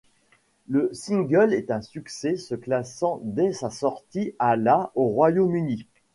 Le single est un succès se classant dès sa sortie à la au Royaume-Uni.